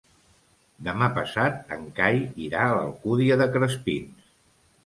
Demà passat en Cai irà a l'Alcúdia de Crespins.